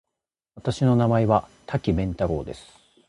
私の名前は多岐麺太郎です。